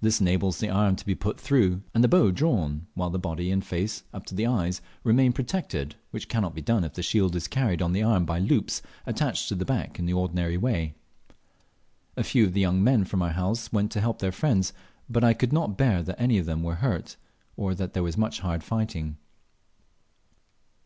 This enables the arm to be put through and the bow drawn, while the body and face, up to the eyes, remain protected, which cannot be done if the shield is carried on the arm by loops attached at the back in the ordinary way. A few of the young men from our house went to help their friends, but I could not bear that any of them were hurt, or that there was much hard fighting.